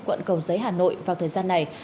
quận cầu giấy hà nội vào thời gian này